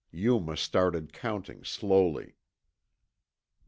Yuma started counting slowly.